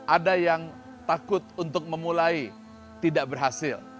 ada yang takut untuk memulai tidak berhasil